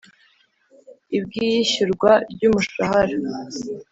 Ibw iyishyurwa ry umushahara